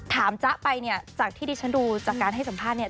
จ๊ะไปเนี่ยจากที่ดิฉันดูจากการให้สัมภาษณ์เนี่ย